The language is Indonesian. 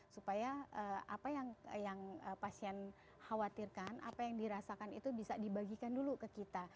supaya apa yang pasien khawatirkan apa yang dirasakan itu bisa dibagikan dulu ke kita